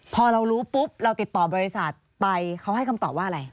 พอเรารู้ปุ๊บเราติดต่อบริษัทไปเขาให้คำตอบว่าอะไร